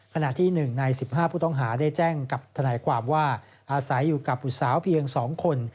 ขณะที่๑ใน๑๕ผู้ต้องหาได้แจ้งกับทนายความว่าอาศัยอยู่กับบุตรสาวเพียง๒คน